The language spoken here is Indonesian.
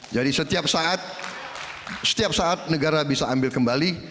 jadi setiap saat negara bisa ambil kembali